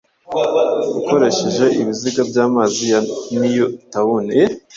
ukoresheje ibiziga by'amazi ya Niyu tawuni